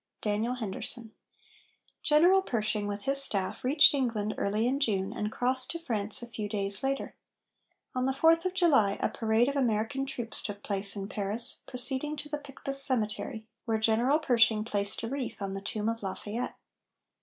DANIEL HENDERSON. General Pershing, with his staff, reached England early in June, and crossed to France a few days later. On the Fourth of July, a parade of American troops took place in Paris, proceeding to the Picpus cemetery, where General Pershing placed a wreath on the tomb of Lafayette.